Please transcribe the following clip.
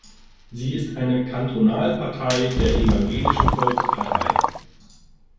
Sie ist eine Kantonalpartei der Evangelischen Volkspartei.